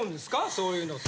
そういうの。